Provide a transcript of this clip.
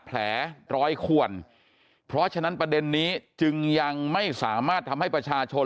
แผลรอยขวนเพราะฉะนั้นประเด็นนี้จึงยังไม่สามารถทำให้ประชาชน